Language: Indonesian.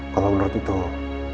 kalau menurut itu